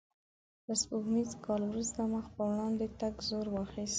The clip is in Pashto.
له سپوږمیز کال وروسته مخ په وړاندې تګ زور واخیست.